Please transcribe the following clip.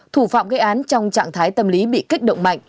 thủ phạm gây án trong trạng thái tâm lý bị kích động mạnh